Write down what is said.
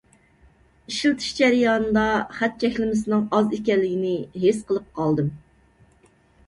ئىشلىتىش جەريانىدا خەت چەكلىمىسىنىڭ ئاز ئىكەنلىكىنى ھېس قىلىپ قالدىم.